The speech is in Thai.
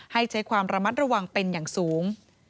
ให้ใช้ความระมัดระวังเป็นอย่างสูง